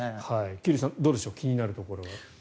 桐生さん、どうでしょう気になるところは。